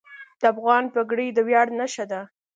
د افغان پګړۍ د ویاړ نښه ده.